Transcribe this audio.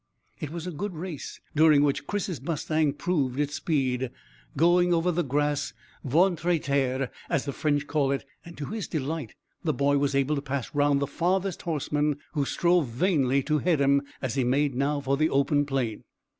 It was a good race, during which Chris's mustang proved its speed, going over the grass ventre a terre, as the French call it, and, to his delight, the boy was able to pass round the farthest horseman, who strove vainly to head him, as he made now for the open plain.